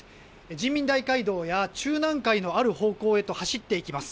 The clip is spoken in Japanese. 人民大会堂や中南海のある方向へ走っていきます。